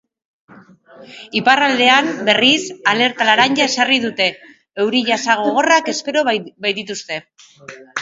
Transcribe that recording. Iparraldean, berriz, alerta laranja ezarri dute, euri-jasa gogorrak espero baitituzte.